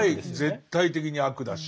絶対的に悪だし。